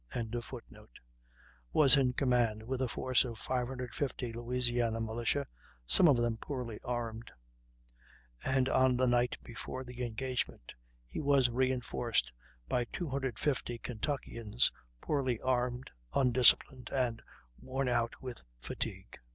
] was in command, with a force of 550 Louisiana militia, some of them poorly armed; and on the night before the engagement he was reinforced by 250 Kentuckians, poorly armed, undisciplined, and worn out with fatigue.